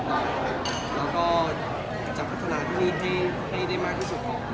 แล้วก็จัดพัฒนาที่นี้ให้ได้มากทักสักของ